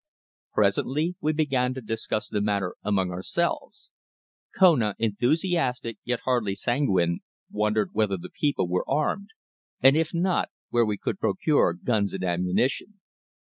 Presently we began to discuss the matter among ourselves. Kona, enthusiastic, yet hardly sanguine, wondered whether the people were armed, and if not, where we could procure guns and ammunition.